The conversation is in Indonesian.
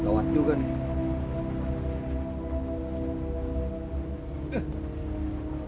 kuat juga nih